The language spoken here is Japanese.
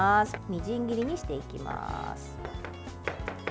みじん切りにしていきます。